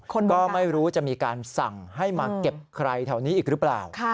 ก็ไม่รู้จะมีการสั่งให้มาเก็บใครแถวนี้อีกหรือเปล่า